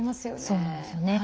そうなんですよね。